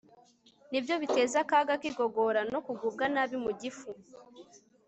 ni byo biteza akaga kigogora no kugubwa nabi mu gifu